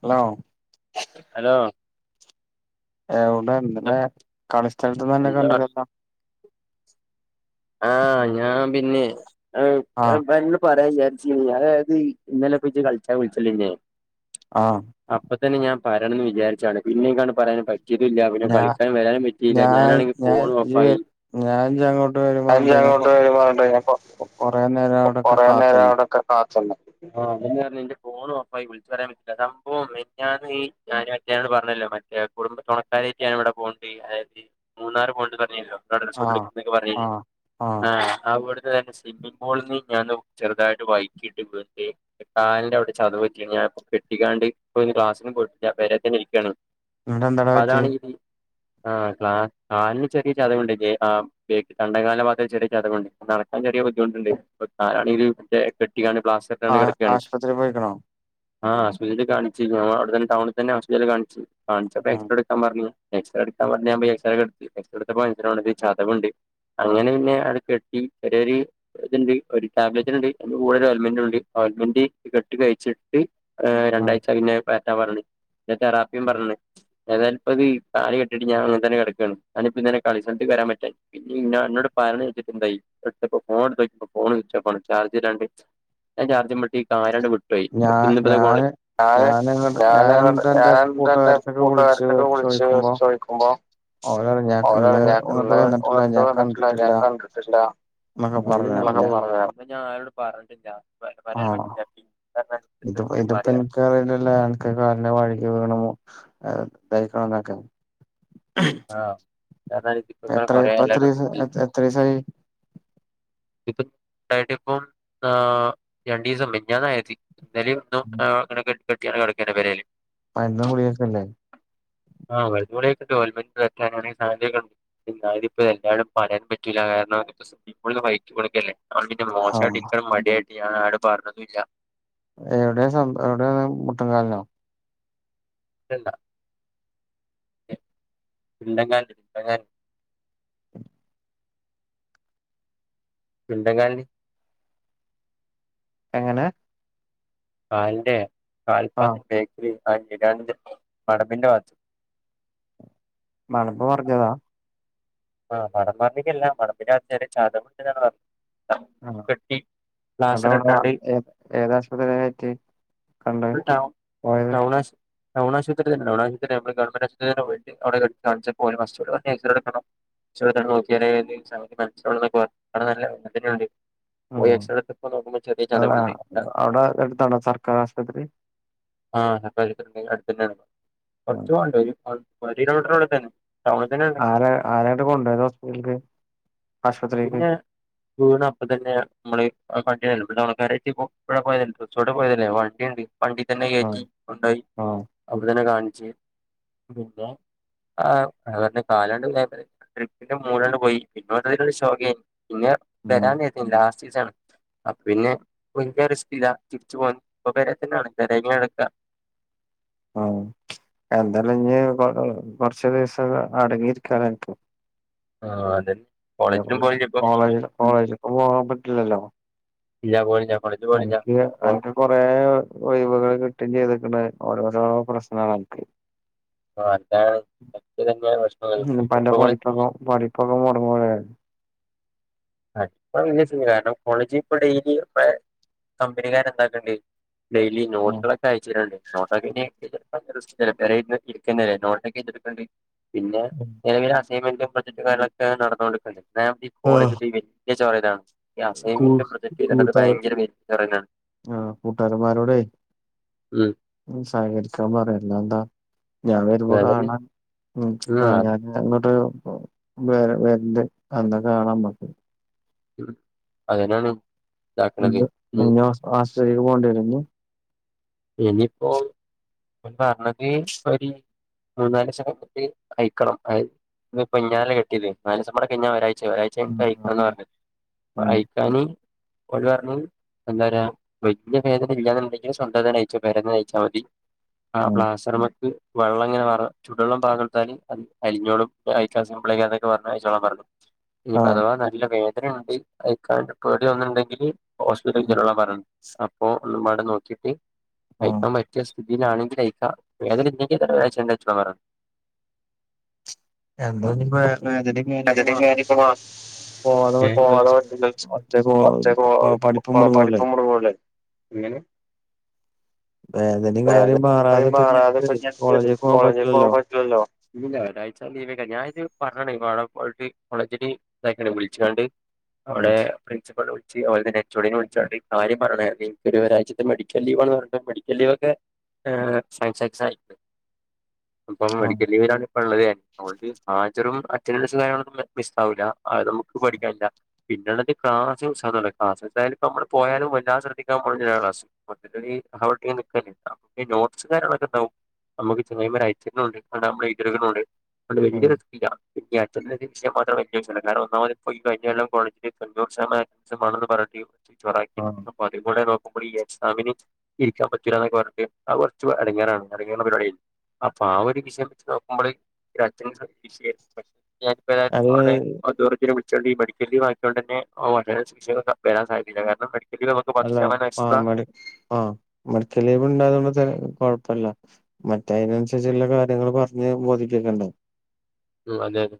Hello hello എവിടെ ഇന്നലെ കളിസ്ഥലത്ത് തന്നെ എന്താ കണ്ടില്ലല്ലോ ആഹ് ഞാ പിന്നെ ആഹ് പറയാ വിചാരിച്ച അതായത് ഇന്നലെ ഇജ്ജ് കളിച്ചാ വിളിച്ചല്ല ഇന്നെ ആഹ് അപ്പ തന്നെ ഞാൻ പറയണം ന്ന് വിചാരിച്ചാണ് പിന്നേക്കാണ്ട് പറയാനും പറ്റ റ്റീട്ടുല്ല്യ പിന്നെ ഞാ കളിക്കാൻ വരാനും പറ്റില്ല ഞാനാണെങ്കി ഫോണും ഓഫായി ഞാൻഞങോ ഞാഞ ങ്ങോട്ട് വരും പറഞ്ഞിട്ട് കൊറേ നേരം അവിടൊക്കെ കൊറേ നേരം കാത്ത്ന്ന് അവിടൊക്കെ കാത്ത് ന്ന് ആഹ് അതെന്നർഞ്ഞെ ന്റെ ഫോണും ഓഫായ് പോയ്‌ പൊ സംഭവം മിഞ്ഞാന്ന് ഞാന് മറ്റോനോട്‌ പർഞ്ഞല്ലോ മറ്റേ കുടുംബ കാര്യായ്റ്റ് ഞാന്വടെ പോണ്ട് അതായത് മൂന്നാറ് പോണ്ടർഞീന്യല്ലൊ ആഹ് ആഹ് ആഹ് അവിട്ന്ന് തന്നെ സ്വിമ്മിഗ് പൂൾന്ന് ഞാന് ചെറുതായിട്ട് വൈക്കിട്ട് വീണ് കാൽന്റെറെ ഔടെ ചതവെറ്റിണ് ഞാൻ കെട്ടിക്കാണ്ട് ക്ളാസിന് പോയിട്ട്ല്ല പെരേ തെന്നെ ഇരിക്കാണ് എന്നിട്ട് എന്താടാ പ്പ പറ്റിയെ താണ് ആ കാൽന് ചെറ്യേ ചതവ്ണ്ട ആഹ് തണ്ട കാൽന്റ ഭാത് ചെര്യ ചതവ്ണ്ട് നടക്കാൻ ചെറിയ ബുദ്ധിമുട്ട്ണ്ട് പ്പൊ കലാണെങ്കി കെട്ടിങ്ങാണ്ട് പ്ലാസ്റ്റർ ആ കെടക്കാണ് ആശുപത്രി പോയിക്കണോ ആഹ് സ്പിറ്റല് കാണിച് ടൗണി തന്നെ ഹോസ്പിറ്റല് കാണ്ചി കാണിച്ചപ്പോ ഉം എക്സ്ര എട്ക്കാൻ പർഞ്ഞി എക്സ്റ ട്ക്കാ പർഞാമ്പോയി എക്സ്രോട്തപ്പോ ചതവ്ണ്ട് അങ്ങനെ പിന്നെ അട് കെട്ടി ഒരൊ ര് ത്ണ്ട് ഒരു ടാബ്ലെറ്റെന്നെണ്ട് അയ്ന്റെ കൂടൊര് ഓൽമെന്റുണ്ട് ഓൽമെന്റ് കെട്ട് കഴിച്ചി ഉം രണ്ടാഴ്ച പിന്നെ പാറ്റ പർഞീണ് ന്നത്തെറാപി പർഞീണ് ഏതാലുപ്പത് കാല് കെട്ടിട്ട് ഞാങ്ങൻതന്നെ കട്ക്കാണ് ഞാനിപ്പ തന്നെ കളിസെൽത്ക്ക് വരാൻപറ്റയ് പിന്നെ ന്നോട് പര്യണ്ജാര്ചിട്ടെന്തായി ഫോൺ ട്തോക്ക്യപ്പൊ ഫോണും സുച്ചോഫാണ് ചാർജില്ലാണ്ട് [unintelligible] യി ഞാ ഇന്ന്പ്പത ഞാന് ഞാനങ്ങട്ട് ഞാനെന്നിട്ട് എന്റെ [unintelligible] കൂട്ടുകാർക്കൊക്കെ വിളിച്ച് കൂട്ട്കാര്നൊക്കെ വിള്ച്ച് ചോയിക്കുമ്പോ ചോയിക്കുമ്പോ ഓല് പറഞ്ഞു ഞാൻ ഇന്ന് ഓലറിം ഞാ [unintelligible] ഇങ്ങട്ട് [unintelligible] വന്നിട്ടില്ല പുറത്തു ഞാൻ വന്നിട്ടില്ല കണ്ടിട്ടില്ല ഞാൻ കണ്ടിട്ടില്ല എന്നൊക്കെ പറഞ്ഞ് ഞാൻ ആഹ് ഞാ ആരോടു പർഞ്ഞില്ല ആഹ് ഇത് പറയാ ഇതിപ്പൻക് [unintelligible] അൻക്ക് കാൽനാ വയ്‌ക്കി വീണ്മു [unintelligible] [inaudible] ആഹ് [unintelligible] എത്ര പ്പ എല്ലാരും ത്രീസാ എത്രീസായി ആയിട്ട് പ്പൊ രണ്ടീസം മിഞ്ഞാന്നാ യ ന്നെലിം ന്നും കെട്ട്യാണ്ട് കട്ക്കെന്നെ പേരെല് മര്ന്നു ഗുളികക്കൊല്ലേ ആഹ് മര്ന്നു ഗുളികക്ക്ണ്ട് ഓൽമന്റ് [unintelligible] ന്തായതിപ്പെ എല്ലാരരും പണ്യേട്പിക്കൂല കാര്ണം [unintelligible] കൊടുക്കല്ലേ അട്മിറ്റും ആഹ് മോശമായിട്ട് ഇന്കഹ് മഡ്യായിട്ട് ഞാനൊര്ടും പർഞ്ഞതൂല്ല എവ്ടെ സംഭ എവ്ടെ യ മുട്ട് കാൽനോ ല്ല ല്ല ണ്ടകാൽന് [inaudible] ണ്ട കാൽന് എങ്ങനെ കാൽന്റെ ആഹ് കാൽപാദത്ന്റെ ബേക്ക്ല് മടമ്പ്ന്റെ ഭാത്ത മടമ്പ് മർഞ്ഞതാ ആഹ് മടമ്പ് ർഞ്ഞിക്കല്ല മടമ്പിന്റാത് ചതവ്ണ്ട്ന്ന പർഞ്ഞെ ആഹ് പട മർഞ ഇട്ടാണ്ട് ഏ ഏതാഷ്പത്രില കേട്ട്യേ ടൗ ടൗണാഷ് ടൗണാഷ്പിറ്റലെന്നെ ടൗണാഷ്പിറ്റല് ഗവൺമന്റ്ശുത്രിലെന്നെ പോയി് അവ്ടെ കാണ്ച്ചപ്പോല് എക്സറേ എടുക്കണം [unintelligible] [unintelligible] നോക്യാലെ [unintelligible] പോയ്‌ ഉം എക്സ്രട്ത്ത്പ്പ നോക്കുമ്പോ ചെറിയ അതാ ചതവ്ണ്ട് അവിടെ എടുത്താണോ സർക്കാർ ആശുപത്രി ആഹ് അട്തന്നേണ് ആഹ് കൊറച് പോവാണ്ട ചെയ്തവപ്പ തന്നെ ടൗണിൽ തന്നെയാണ് ആരാ ആരായിട്ട് കൊണ്ടുത് ഹോസ്പിറ്റലക്ക് പിന്നെ വീണ അപ്പ തന്നെയാ നമ്മള് വണ്ടിയല്ല ഇ തണക്കാരായിട്ട് ഇവിടെ പോയതല്ലേ തോടു ടെ പോയതല്ലേ വണ്ടിയുണ്ട് പണ്ടിന്നെ ആഹ് കയറ്റി ഉണ്ടോയി ആഹ് അവിടെ തന്നെ കാണിച്ച് പിന്നെ ആ കാലാണ്ട് ട്രിപ്പിന്റെ മൂടാണ്ട് പോയി പിന്നോ ഓക്കേ പിന്നെ ഉം വരാ ലാസ്റ്റ് സീസണ് അ പിന്നെ ഭയങ്കര റിസ്റ്റ് ഇല്ല ചിരിച്ചു പോകു ന്നു ഇപ്പൊ പേരെ തന്നെ ആണ് എങ്ങനെ എടുക്ക ആ എന്താല ഇഞ്ഞ് കൊറച്ച് ദിവസം അടങ്ങിയിരിക്കാല എനക്ക് ആ അതെ പിന്നെ കോളേജ കോളേജിലൊക്കെ പോകാൻ പറ്റില്ലല്ലോ ഇല്ലാ പോയി ല്ലകൊളജ് പോയി ല്ല അപ്പോ കൊറെ ഒഴിവുകൾ കിട്ടുകയും ചെയ്തിട്ടണ് ഓരോരോ പ്രശ്നാണ്നിക്ക് അതാണ് ഒക്കെ തന്നെയാണ് പ്രശ്നങ്ങൾ ഇപ്പൊ ന്റെ കോളേജ് പഠിപ്പെ പഠിപ്പൊക്കെ മുടങ്ങുല്ലേ ഇപ്പൊ വല്യ സീന കോളേജ് ഇപ്പൊ ഡെയിലി കമ്പനിക്കാര എന്താക്കണ്ട ഡെയിലി നോട്ട് ആഹ് അയ്ച്ചതാരുണ്ട് നോട്ടൊക്കെപിന്നെ എഴുതി എടുക്കാൻ റെസ്ക് തന്നെ നോട്ടെക്കണ്ട് പിന്നെ നിലവിലെ അസൈൻമെന്റും പ്രൊജക്ടും കാര്യങ്ങളൊക്കെ നടന്നുകൊണ്ടിക ന്നുണ്ട് ഈ കോളേജ [unintelligible] ഈ കൂ അസൈമെന്റ് പ്രൊജക്റ്റ് ഇതൊക്ക കൂട്ടാരം ഭയങ്കര [unintelligible] ആഹ് ഉം ഉ സഹകരിക്കാൻ പറയാല്ലോ എന്താ ഞാൻ വരുമ്പോ അതന്നെ ആഹ് കാണാൻഞാൻ അങ്ങോട്ട് വ വരണ്ട് അന്നൊ കാണാൻ വന്നു അതനാണ് ഇന്ന് ഇന്ന് ഹോസ്റ്റലിലേക്ക് പോണ്ടിരുന്നു ഇനിയിപ്പോ പറഞ്ഞത് ഒരു മൂന്നല് [unintelligible] അയക്കണം അത് ഇ പൊഞ്ഞാലല്ല കെട്ടിയത് നാല്സടെ കഴിഞ്ഞ ഒരാഴ്ച ഒരാഴ്ച ആഹ് ആഹ് എന്ന് പറ ഉം ഇനി ഒഴിവു വരണം [unintelligible] വലിയ വേദന ഇല്ലന്ന് ഉണ്ടെങ്കിൽ ഇ നയിച്ചു പരന്ന് നയിച്ചാൽ മതി ആ ഉം പ്ലാസർ മാ വെള്ളംങ്ങനെ മാറ ചുടു വെള്ള പാകെടുത്താല് അലിഞ്ഞോളും അഴിക്കാൻ സിംപിൾ ആ അഴിച്ചോളാൻ പറഞ്ഞു ഇനിപ്പ ആഹ് അഥവാ നല്ല വേദന ഉണ്ട് അഴിക്കാൻ പേടി ഉണ്ടെങ്കില് ഹോസ്പിറ്റലിൽ ചെല്ലണോന്ന് പറഞ്ഞണ്ട് അപ്പൊ ഒനമ്മടെ നോക്കിട്ട് ആഹ് അഴിക്കാൻ പറ്റിയ സ്ഥിതിയിലാണെങ്കിലെ അയിക്കാം വേദന ഇല്ലെങ്കിലേ അയച്ച് തറ പറ എന്തോഇങ്ങമ്മാതിരി അതൊക്കെ നേരിയ [unintelligible] പറ്റില്ലല്ലോ പോകാതെ സ്കൂ ഒറ്റ പോ പറ്റില്ലല്ലോ പ പഠിപ്പ് മുടങ്ങൂല്ലേ പഠിപ്പ മുടങ്ങൂല്ലേ എങ്ങനെ വേദനയും കാര്യം വേദന ഇപ്പ മാറാതെ ഞനക്ക് ഇപ്പൊ കോളേജിക്ക് പോകാൻ കോളേജിൽ പോവാൻ പറ്റില്ലല്ലോ ഇല്ല ഒരാഴ്ച ലീവക്ക ഞാന ഇത് പറഞ്ഞണേ വാട പോയിട്ട് കോളേജിന് ഇതാക്കണ വിളിച്ച കണ്ട് അവിടെ ഉം പ്രിസിപ്പളിനെ വിളിച്ച് അതുപോലെന്നെ എ ച് ഒഡിനെ വിളിച്ചഈ കാര്യ പറമായിരുന്നു എനിക്ക ഒരു ഒരാഴ്ച ത്ത് മെഡിക്കൽ ലീവ്ന്ന് പറഞ്ഞ മെഡിക്കൽ ലീവ് സയൻസ് ആൻഡ് [unintelligible] ഇപ്പം ആഹ് മെഡിക്കൽ ലീവിലാണ് ള്ളത് അതുകൊണ്ട് ഹാജറും അറ്റനൻസ്‌ കാര്യങ്ങളൊന്നും മിസ് ആവില്ല നമുക്ക് പേടിക്കാനില്ല പിന്നെഉള്ളത് ക്ലാസ് ക്ലസ് ഇ നമ്മ പോയാ ലും വല്ലത ശ്രദ്ധാൻ പോന്നില്ല ക്ലസ് മൊത്തത്തിലി അവിടക്കെ നിൽക്കാന നമ്മുക് ഈ നോട്ട്സ് കാര്യങ്ങളൊക്കെ ഉണ്ടാവും നമ്മക്ക് ചങ്ങ തി അയച്ചണ്ട് നമ്മളത് എഴുതിയെടുക്കുന്നുണ്ട് അ ത് വലിയ ഉം റി സ്‌ കി ല്ലാ പിന്ന അറ്റ വിഷയം മാത്രം എഴുതിയെടുത്തമതി കാരണം ഒന്നാമത്യ അന് കോളേജില് തൊണൂറ് ശതമാനം പ്രിൻസിപ്പാളിനോട് പറയുകയും ചൊറാക്കി ആഹ് അപ്പതും കൂടെ നോക്കുമ്പള് ഈ എക്സാമിന് ജയിക്കാൻ പറ്റൂലാന്നൊക്കെ പറഞ്ഞ് അത് കർച്ച് എടങ്ങേറാണ് എടങ്ങേറ്ള്ള പരിപാടിയായി അപ്പാ ഒരു വിഷയം വെച്ച് നോക്കുമ്പള് ഈ അറ്റൻ്റൻസ് വിഷയായി പക്ഷെ ഏതായാലും അത് അവ്ടെ അതോറിറ്റിനെ വി ളിച്ചാല് മെഡിക്കൽ ലീവാക്ക്യോണ്ടന്നെ വളരെ വിഷയം വരാൻ സാധ്യതില്ല കാരണം മെഡിക്കലമ്മക്ക് പത്ത് അല്ല ശതമാനം ആഹ് എക്സ്ട്ര മെഡി ആഹ് മെഡിക്കൽ ലീവ്ണ്ടായിന്ന്ച്ചാൽ കൊഴ്പ്പല്ല മറ്റെ അയ്നന്സര്ച്ച്ള്ള കാര്യങ്ങള് പർഞ്ഞ് ബോധിപ്പിക്കണ്ടെ ഉം അതെ അതെ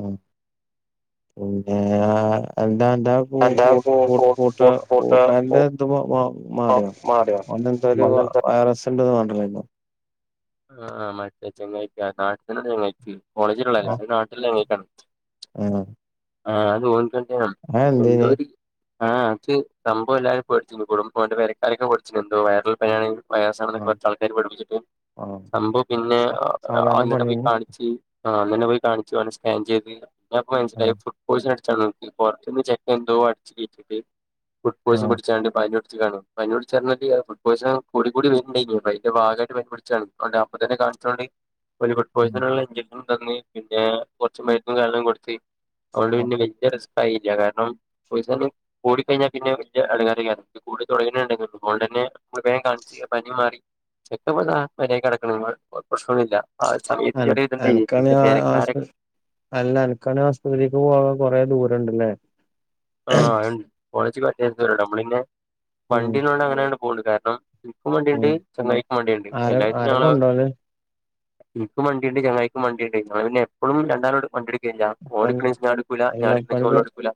ഉം പിന്നേ എന്താ അൻ്റെ കൂ എന്താ കൂ പോ കൂ പോ കൂട്ട പോ പോട്ട് കൂട്ടാരൻ്റെ ഇത് മ മാറിയോ മാറിയോ ഓൻ്റെന്തോരു അതെന്താ വൈറസ്ണ്ട്ന്ന് പറഞ്ഞിട്ടില്ലേയ്ന്നോ? ആഹ് മറ്റെ ചെങ്ങായി കരാട്ടന്നാണ്ട് ഒയ്‌വാക്കി കോളേജ്ല്ള്ളല്ല അത് നാട്ടില്ള്ള സമയത്താണ് ഏഹ് ആഹ് അത് [unintelligible] അതെന്തേനി എന്തോര് ആഹ് അത് സംഭവെല്ലാരും പേട്ച്ചീനു കുടുംബ ഓൻ്റെ പെരക്കാരൊക്കെ പേട്ച്ചീനു എന്തോ വയറൽ പനിയാണ് വൈറസാണെന്നൊക്കെ ആഹ് പറഞ്ഞിട്ട് ആൾക്കാർ പേടിപ്പിച്ചിട്ട് ആഹ് സംഭവം പിന്നെ സാധാരണ അന്നന്നെ പോയി പനിയേനി കാണിച്ച് ആഹ് അന്നന്നെ പോയി കാണിച്ച് ഓനെ സ്കാൻ ചെയ്ത് അപ്പൊ മനസ്സിലായി ആഹ് ഫുഡ് പോയിസൺ അട്ച്ചാ തോന്ന്ണ്ട് പൊർത്ത്ന്ന് ചെക്കൻന്തോ അടിച്ച് കേറ്റിട്ട് ഫുഡ് പോയിസൺ ആഹ് പിടിച്ചാണ്ട് പനി പുട്ച്ച് കാണും പനി പുട്ച്ചർഞ്ഞാല് അത് ഫുഡ് പോയിസൺ കൂടി ക്കൂടി വര്ണ്ടായ്ന് അപ്പയ്ന്റെ ഭാഗായിട്ട് പനി പിടിച്ചാണ് അതോണ്ട് അപ്പത്തന്നെ കാണിച്ചോണ്ട് ഓല് ഫുഡ് പോയ്സന്ള്ള ഇഞ്ചക്ഷനും തന്ന് പിന്നെ കൊർച്ച് മര്ന്നും കാര്യങ്ങളും കൊട്ത്ത് അതോണ്ട് ആഹ് പിന്നെ വല്ല്യ റിസ്കായില്ല കാരണം പൈസൊക്കെ കൂടിക്കഴിഞ്ഞാ പിന്നെ വല്ല്യ എടങ്ങാറയ്ക്കാരം കൂടി തൊടങ്ങീട്ടിണ്ട് അതോണ്ടന്നെ വേകം കാണ്ച്ച് പനി മാറി ചെക്കപ്പതാ പെരേ കെടക്ക്ണു പ്രശ്‌നൊന്നുല്ല ആ സമയത്ത് അന ചെറിയേത്ണ്ടായിന് അനക്കാണെ പിന്നെ പെരക്കാരെ ആശു അല്ല അൻക്കാണെ ആശ്പത്രീക്ക് പോവാൻ കൊറെേ ദൂരണ്ട്ലേ ആഹ് അത്ണ്ട് കോളേജ് ക്ക് അത്യാവശ്യം കുറെ ദൂരണ്ട് നമ്മളിന്നെ ഉം വണ്ടിള്ളോണ്ടങ്ങനാണ്ട് പോക്ണ്ട് കാരണം ഇൻക്കും വണ്ടിണ്ട് ഉം ചെങ്ങായിക്കും വണ്ടിണ്ട് ആര എല്ലായിസും ആര ഞങ്ങള് കൊണ്ടോവല് ഇൻക്കും വണ്ടിണ്ട് ചെങ്ങായിക്കും വണ്ടിണ്ട് ഞങ്ങള് പിന്നെപ്പളും രണ്ടാളൂടി വണ്ടിട് ക്കല്യ ഓൻ ഇപ്പന് ഇട്ക്ക്ണീസം ഞാൻ ഇട്‌ക്കൂല ഞാൻ ഇട്ക്ക്ണീസം ഓനുട്ക്കൂല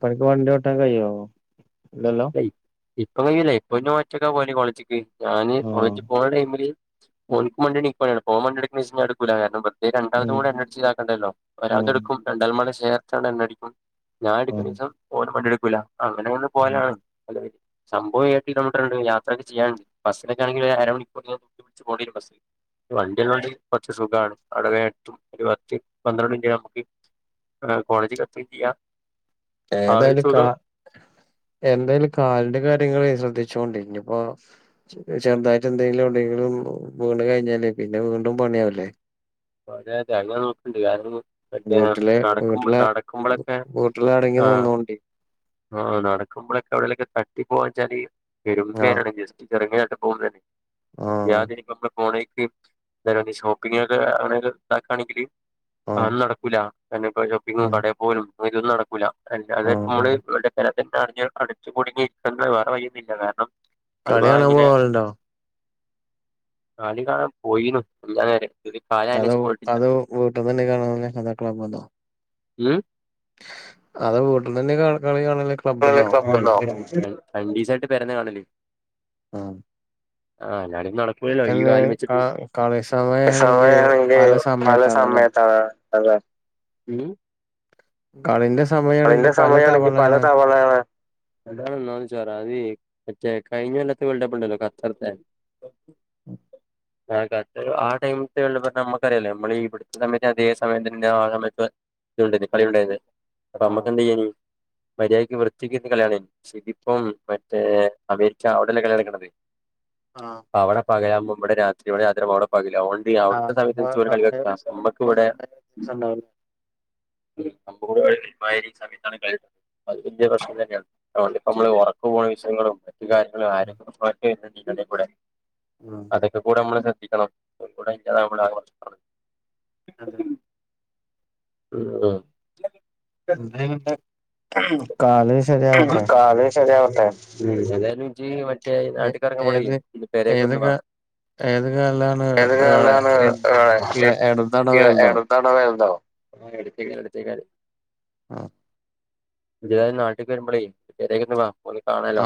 ഇപ്പൻക്ക് വണ്ട്യോട്ടാൻ കയ്യോ ഇല്ലല്ലോ? ഇ ഇപ്പൊ കയ്യൂലെയ് ഇപ്പൊ ഞാൻ ഒറ്റക്കാ പോല് കോളേജ്ക്ക് ഞാന് ആഹ് കോളേജ് പോയ ടൈമില് ഇപ്പോൻക്കും വണ്ടിണ്ട് ഇക്കും വണ്ടിണ്ട് അപ്പോൻ വണ്ടിട്ക്ക്ണീസം ഞാൻ ഇട്ക്കൂല കാരണം വെറ്തെ രണ്ടാൾതും ഉം കൂടെഎണ്ണടിച്ച്താക്കണ്ടല്ലോ ഉം ഒരാൾത്ട്ക്കും രണ്ടാളുംപാടെ ഷെയറ്ട്ട്കാണ്ട് എണ്ണടിക്കും ഞാൻ ഉം ഇട്ക്ക്ണീസം ഓന് വണ്ടിട്ക്കൂല അങ്ങനങ്ങനെ പോവാലാണ് നല്ല രീതി സംഭവം ഏയെട്ട് കിലോമീറ്റർണ്ട് യാത്രൊക്കെ ചെയ്യാണ്ട് ബസ്സിലൊക്കാണെങ്കില് അരമണിക്കൂറ് ഇങ്ങനെ കുത്തിപ്പിടിച്ച് പോണ്ടെരും ബസ്സില് വണ്ടിള്ളോണ്ട് കൊർച്ച് സുഖാണ് അവ്‌ടെ വേ എത്തും ഒരു പത്ത് പന്ത്രണ്ട് മിനിറ്റ് നമ്മക്ക് കോളേജ്ക്കെത്തേം ചെയ്യാ ആ ഒരു ഏതായാലും കാ സുഖം എന്തായാലും കാലിന്റെ കാര്യങ്ങള് ശ്രദ്ധിച്ചോണ്ടി ഇഞ്ഞ്പ്പോ ചെർതായിട്ടെന്തെങ്കിലും എവ്ടെങ്കിലും വീണ് കഴിഞ്ഞാല് പിന്നെ വീണ്ടും പണിയാവൂലേ [unintelligible] അതൊക്കെ നോക്ക്ണ്ട് [unintelligible] വീട്ടിലെ വീട്ടിലെ വി വീട്ടില് അടങ്ങി ആഹ് നിന്നോണ്ടി ആഹ് നടക്ക്മ്പൊളൊക്കെ എവ്ടേലൊക്കെ തട്ടിപ്പോവാച്ചാല് പെരും ആഹ് വേനേണ് ജസ്റ്റ് ചെറ്ങ്ങനായിട്ട് പോകുമ്പന്നെ അത് ആഹ് മാതിരി പ്പമ്മള് പോണെയ്ക്ക് എന്താണ് ഷോപ്പിംങ്ങ്നൊക്കെ അങ്ങനെ ഇതാക്കാണെങ്കില് ആഹ് ആന്നും നടക്കൂല കാരണം ഇപ്പ ഷോപ്പിങ്ങും ഉം കടേ പോലും ഒര്തും നടക്കൂല അല്ലാതെ ആഹ് ഉം പ്പമ്മള് സ്ഥലത്തന്നെ അടഞ്ഞ് അടച്ച് കുടുങ്ങിയിരിക്കന്നെ വേറെ വയൊന്നുല്ല കാരണം കളി അതവാ കാണാൻ ഇങ്ങനെ പോവാറുണ്ടോ കളി കാണാൻ പോയീന്നു മിഞ്ഞാന്നേറ്റെ ഇത് കാണാന് അതോ സ്‌പ്പോട്ടില്ല അതോ വീട്ടിന്ന് തന്നെ കാണാല് അതോ ഉം അത വീട്ടിന്നന്നെ കളി കാണല് ക്ലബ്ബ്ന്നോ? രണ്ടീസായിട്ട് പെരീന്ന കാണല് ആഹ് ആഹ് ഞാന് ലല്ലോ ഈ അതന്നെ കാലും ക വെച്ചിട്ട് കളി സമയാണെങ്കി സമയണെങ്കിൽ പല സമയത്താണല്ലേ സമയത്തട അത ഉം കളിന്റെ സമയം കളിന്റെ സമയണെങ്കിൽ പല തവണയാണ് അതാണെന്നാന്ന് ചോറ അതേ മറ്റേ കഴിഞ്ഞല്ലത്ത വേൾഡ്കപ്പ്ണ്ടല്ലോ ഖത്തറത്തെ [inaudible] ആഹ് കണ്ടലു ആ ടൈമത്തുള്ള ഇപ്പം നമുക്ക അറിയല്ലോ നമ്മളി ഇവിടുത്തെ സമയത്ത് അതേ സമയത്തിൻ്റെ വാങ്ങാ വരുമ്പോ ഇന്നുണ്ടായിരുന്നോ കളിയുണ്ടായിരുന്നോ അപ്പ ആഹ് നമക്കെന്തുയ്യേനീ മര്യദക്ക് വൃത്തിക്കിരുന്ന് കളിയാണയ്നി പക്ഷെ ഇതിപ്പം മറ്റേ അമേരിക്ക അവിടെയല്ല കളയടക്കണത് [inaudible] ആഹ് അവിടെ പകലാവുമ്പോ ഇവിടെ രാത്രി ഇവിടെ രാത്രിയാവുമ്പോ അവിടെ പകല് ഓൻ പ്പിയി ആ അവിടുത്തെ സമയത്ത് ചോറ് കളി സമയം വെക്ക നമ്മക്ക് ഇവിടെ ദിവസം ഉണ്ടാവില്ല. ഉം നമക്കുംകൂടെ മായിരി സംവിധാനങ്ങള് അത് പുതിയ പ്രശ്നം തന്നെയാണ് അതുകൊണ്ട് നമ്മള് ഉറക്ക ഒഴിച്ചന്ന ങ്ങള് ത് കാര്യങ്ങള് അരുങ്ങലും സ്പൊൺസർ ചെയ്യുന്നുണ്ടെങ്കി അതും കൂടെ ഉം അതൊക്കെ കൂടെ നമ്മള് ശ്രദ്ധിക്കണം ഒക്കെ കൂടേ ആയിട്ടാണ് ആകെ ഒച്ചപ്പാട് എന്ത്‌ ഉം എൻ്റെം കൂടെ കാല് ശരിയാവട്ടെ കാല് ശരിയാവട്ടെ ഉം ഏതായാലും ജ്ജ് മറ്റേ ഏ നാട്ടിക്കറങ്ങ്പോളെ ഏത് ഇന്റെ ഏത് പേരക്കെന്ന് വാ കാ ഏത് കാലാണ് ഏ- പെരെലെറങ്ങാ എ- ഇട- ഇടതാണോ [unintelligible] വലുതോ അവടെ വെയിലുണ്ടോ ആ എടത്തെ കാൽ എടുത്തെ കാല് ആഹ് ഇജ്ജെതായാലും നാട്ടിക്ക് വരുമ്പോളേ പെരേക്ക് ഒന്നു വാ ഓലെ കാണല്ലോ ആ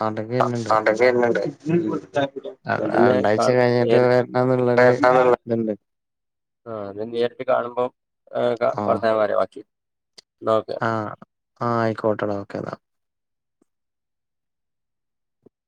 നാട്ടിക്ക് ആഹ് വരുന്നുണ്ട് നാട്ടെ വരുന്നുണ്ട് ഉം അഹ് രണ്ടാഴ്ച കഴിഞ്ഞിട്ട് വരണന്നുള്ളരു കേട്ടാ ഇതുണ്ട് ആഹ് അ നേരിട്ട് കാണുമ്പോം ആ വർ ത്തനം പറയാ ബാക്കി നോക്കെ ആഹ് ആഹ് ആയിക്കോട്ടെടാ ഓക്കെന്നാ